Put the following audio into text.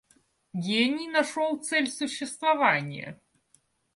Гений нашел цель существования.